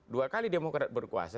dua kali demokrat berkuasa